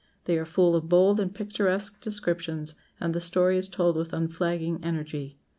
They are full of bold and picturesque descriptions, and the story is told with unflagging energy.